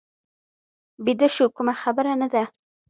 بیده شو، کومه خبره نه ده.